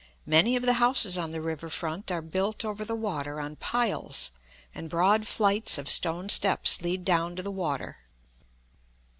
Many of the houses on the river front are built over the water on piles, and broad flights of stone steps lead down to the water.